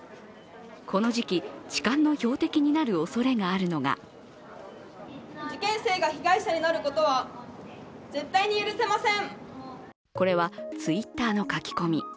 この時期、痴漢の標的になるおそれがあるのがこれはＴｗｉｔｔｅｒの書き込み。